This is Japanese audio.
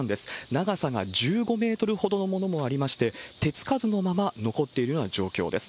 長さが１５メートルほどのものもありまして、手つかずのまま残っているような状況です。